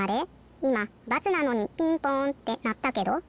いま×なのにピンポンってなったけど？